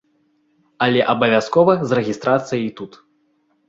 Але абавязкова з рэгістрацыяй тут.